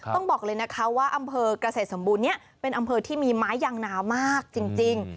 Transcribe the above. ต้องบอกเลยนะคะว่าอำเภอกเกษตรสมบูรณ์นี้เป็นอำเภอที่มีไม้ยางนามากจริง